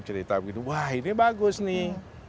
cerita begitu wah ini bagus nih